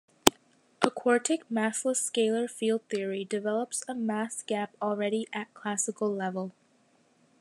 A quartic massless scalar field theory develops a mass gap already at classical level.